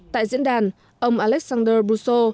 tại diễn đàn ông alexander brousseau